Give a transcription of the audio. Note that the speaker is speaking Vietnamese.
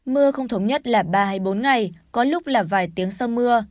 mưa không thống nhất là ba hay bốn ngày có lúc là vài tiếng sau mưa